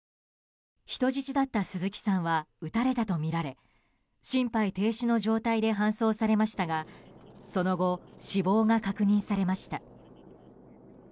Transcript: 人質だった鈴木さんは撃たれたとみられ心肺停止の状態で搬送されましたがその後、死亡が確認されました。